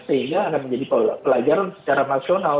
sehingga akan menjadi pelajaran secara nasional